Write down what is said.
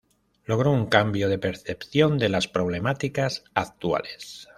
Logró un cambio de percepción de las problemáticas actuales.